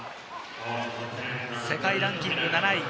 世界ランキング７位。